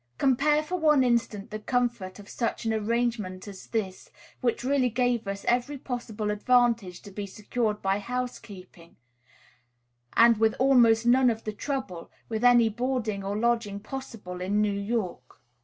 Compare for one instant the comfort of such an arrangement as this, which really gave us every possible advantage to be secured by housekeeping, and with almost none of the trouble, with any boarding or lodging possible in New York.